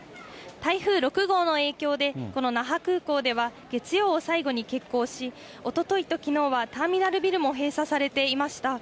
台風６号の影響で、この那覇空港では、月曜を最後に欠航し、おとといときのうはターミナルビルも閉鎖されていました。